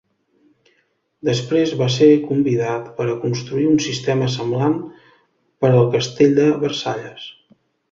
Després, va ser convidat per a construir un sistema semblant per al castell de Versalles.